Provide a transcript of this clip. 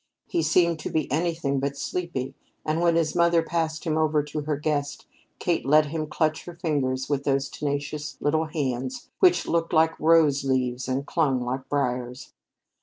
He seemed to be anything but sleepy, and when his mother passed him over to her guest, Kate let him clutch her fingers with those tenacious little hands which looked like rose leaves and clung like briers.